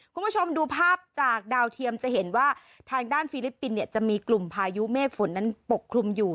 คุณผู้ชมดูภาพจากดาวเทียมจะเห็นว่าทางด้านฟิลิปปินส์เนี่ยจะมีกลุ่มพายุเมฆฝนนั้นปกคลุมอยู่